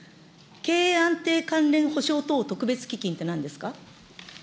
経営安定ほしょう等特別基金ってなんですか。